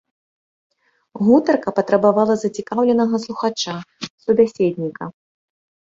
Гутарка патрабавала зацікаўленага слухача, субяседніка.